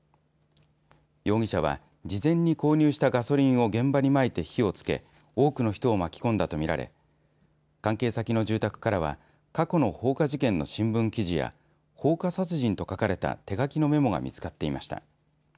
容疑者は事前に購入したガソリンを現場にまいて火をつけ多くの人を巻き込んだとみられ関係先の住宅からは過去の放火事件の新聞記事や放火殺人と書かれた手書きのメモが見つかっていました。